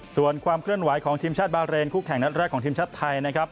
ส่วนความเคลื่อนไหวของทีมชาติบาเรนคู่แข่งนัดแรกของทีมชาติไทยนะครับ